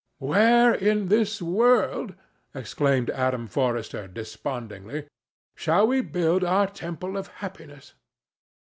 "Where in this world," exclaimed Adam Forrester, despondingly, "shall we build our temple of happiness?"